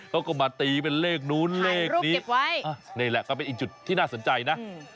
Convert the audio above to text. เขาก็มาตีเป็นเลขนู้นเลขนี้นี่แหละก็เป็นอีกจุดที่น่าสนใจนะ